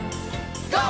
ＧＯ！